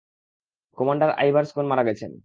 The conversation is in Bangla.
কমান্ডার আইভারসন মারা গেছেন।